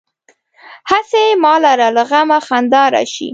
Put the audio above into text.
هسې ما لره له غمه خندا راشي.